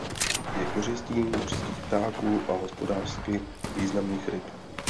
Je kořistí mořských ptáků a hospodářsky významných ryb.